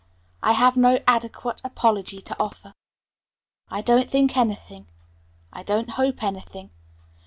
I have no adequate apology to offer. I don't think anything. I don't hope anything.